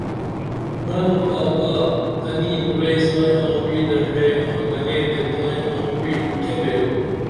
مرنگ آگا تنی بُرعی سائیں آنگعوی دڇھے آں گنے تے تائی آنگعوی کیہ بیرو